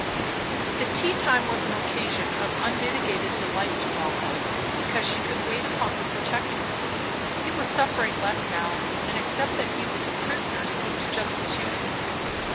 The tea time was an occasion of unmitigated delight to Rotha, because she could wait upon her protector. He was suffering less now, and except that he was a prisoner seemed just as usual.